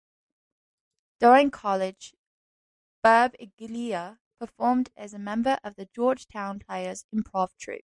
During college Birbiglia performed as a member of the Georgetown Players Improv Troupe.